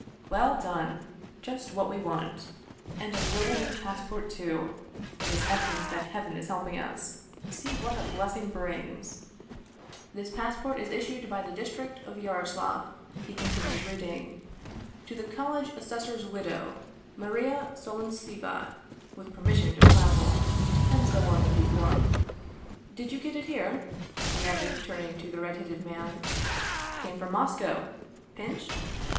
" Well done ! Just what we want ! And a noble's pass port, too! It is evident that Heaven is helping us. See what a blessing brings ! 190 Vsevolod Vladimir ovitch Krestovski "' This passport is issued by the District of Yaroslav/ " he continued reading, "' to the college assessor's widow, Maria Solontseva, with permission to travel/ " and so on in due form. " Did you get it here ?" he added, turning to the red headed man. " Came from Moscow !" "Pinched?"